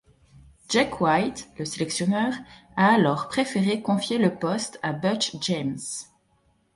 Jake White, le sélectionneur, a alors préféré confier le poste à Butch James.